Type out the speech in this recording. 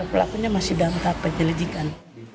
pelakunya masih dalam tahap penyelidikan